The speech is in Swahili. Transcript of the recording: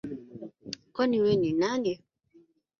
Kwani we ni nani?